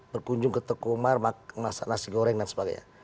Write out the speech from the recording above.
berkunjung ke tekomar masak nasi goreng dan sebagainya